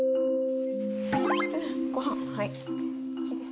ご飯はい。